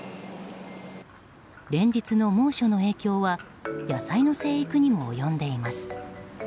連日の猛暑の影響は野菜の生育にも及んでいます。